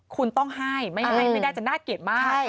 คุณต้องให้ไม่ให้ไม่ได้จะน่าเกลียดมาก